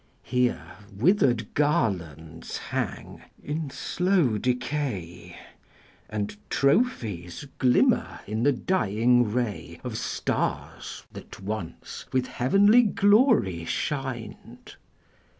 Here, withered garlands hang in slow decay, And trophies glimmer in the dying ray Of stars that once with heavenly glory shined.